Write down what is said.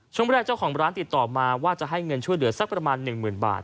ช่วงแรกเจ้าของร้านติดต่อมาว่าจะให้เงินช่วยเหลือสักประมาณ๑๐๐๐บาท